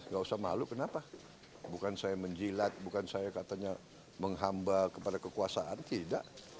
gak usah malu kenapa bukan saya menjilat bukan saya katanya menghamba kepada kekuasaan tidak